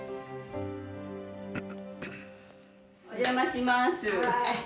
お邪魔します。